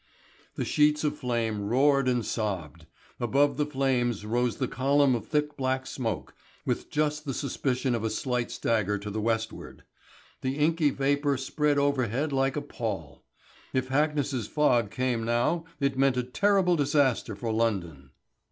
The sheets of flame roared and sobbed. Above the flames rose the column of thick black smoke, with just the suspicion of a slight stagger to the westward. The inky vapour spread overhead like a pall. If Hackness's fog came now it meant a terrible disaster for London.